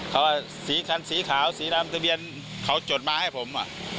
เขาสีขาวสีตามทะเบียนเขาจดมาให้ผมอ่ะ